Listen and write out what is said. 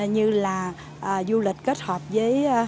như là du lịch kết hợp với